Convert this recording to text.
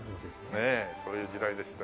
ねえそういう時代でしたよ。